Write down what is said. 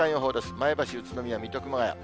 前橋、宇都宮、水戸、熊谷。